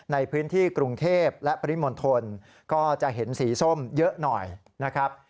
ในพื้นที่กรุงเทพและปริมณฑลก็จะเห็นสีส้มเยอะหน่อยนะครับ